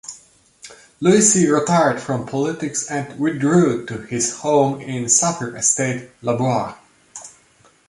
Louisy retired from politics and withdraw to his home in Saphyr Estate, Laborie.